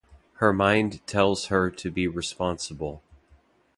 Her mind tells her to be responsible.